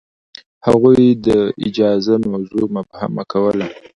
هغوی د اجازه موضوع مبهمه کوله.